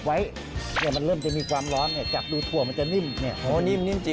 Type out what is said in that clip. ด่วนให้ลดจะมีการร้อนเนี่ยจับแล้วส่วนมันจะนิ่มโอ้ย